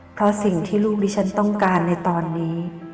เพราะสิ่งที่ลูกดิฉันต้องการในตอนนี้